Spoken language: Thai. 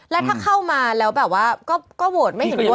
แล้วถ้าเข้ามาแล้วแบบว่าก็โหวตไม่เห็นด้วย